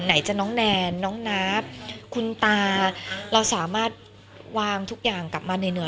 ไหนจะน้องแนนน้องนับคุณตาเราสามารถวางทุกอย่างกลับมาเหนื่อย